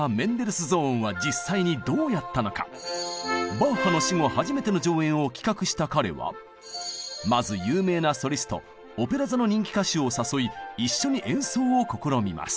バッハの死後初めての上演を企画した彼はまず有名なソリストオペラ座の人気歌手を誘い一緒に演奏を試みます。